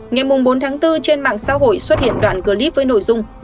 ngày bốn tháng bốn trên mạng xã hội xuất hiện đoạn clip với nội dung